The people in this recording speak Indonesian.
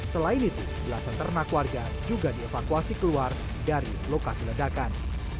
selain itu belasan ternak warga juga dievakuasi keluar dari lokasi ledakan